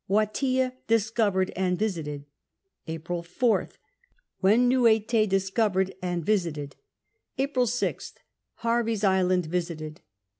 Wateea discovered and visited. April 4th. Wenoo Ette discovered and visited. April 6th. Hervey's Island visited.